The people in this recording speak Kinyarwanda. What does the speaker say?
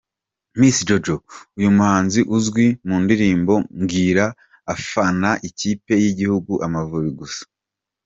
Miss Jojo : Uyu muhanzi uzwi mu ndirimbo “Mbwira ” afana ikipe y’igihugu Amavubi gusa.